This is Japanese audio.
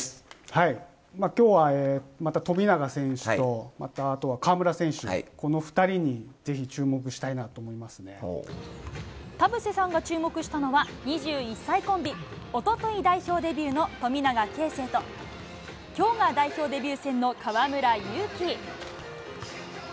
はい、きょうはまた、富永選手と、またあとは、河村選手、この２人にぜひ注目したいな田臥さんが注目したのは、２１歳コンビ、おととい、代表デビューの富永啓生と、きょうが代表デビュー戦の河村勇輝。